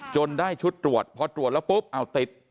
ได้ชุดตรวจพอตรวจแล้วปุ๊บเอาติด